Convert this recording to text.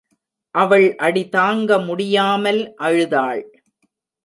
அவள் அடி தாங்க முடியாமல் அழுதாள்.